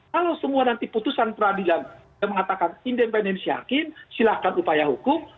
kalau semua nanti putusan peradilan yang mengatakan independensi hakim silahkan upaya hukum